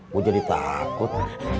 gue jadi takut